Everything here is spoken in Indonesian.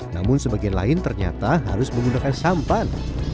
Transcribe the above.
namun sebagian lain ternyata harus menggunakan sampan